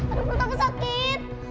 ada burut aku sakit